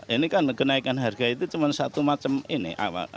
ini kan kenaikan harga itu cuma satu macam ini